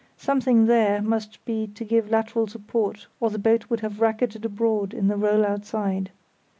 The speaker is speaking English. Something there must be to give lateral support or the boat would have racketed abroad in the roll outside.